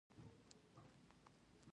هندوانه د پوستکي روڼتیا زیاتوي.